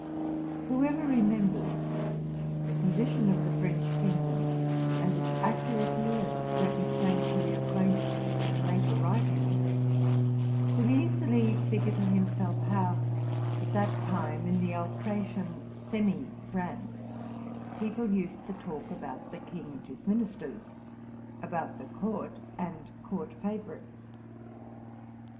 Whoever remembers the condition of the French kingdom, and is accurately and circumstantially acquainted with it from later writings, will easily figure to himself how, at that time, in the Alsatian semi France, people used to talk about the king and his ministers, about the court and court favor ites.